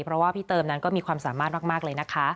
เพราะว่าพี่เติมนั้นก็มีความสามารถมากเลยนะคะ